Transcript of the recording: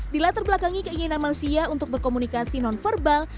dilatar belakangi keinginan manusia untuk berkomunikasi non verbal